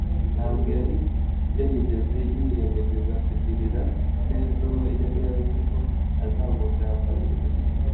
Ntabwo yari yarigeze yirengagiza kugirira neza uwo yari azi ko azamugambanira.